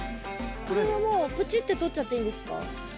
これはもうプチッてとっちゃっていいんですか？